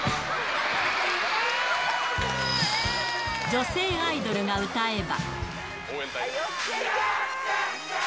女性アイドルが歌えば。